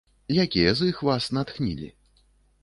Якія з іх вас натхнілі?